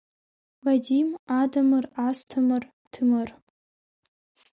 Вадим, Адамыр, Асҭамыр, Ҭемыр.